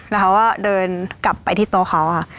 แล้วเขาก็เดินกลับไปที่โต๊ะเขาค่ะ